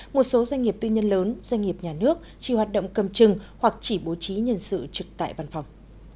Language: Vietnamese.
một số doanh nghiệp tư nhân lớn doanh nghiệp nhà nước chỉ hoạt động cầm chừng hoặc chỉ bố trí nhân sự trực tại văn phòng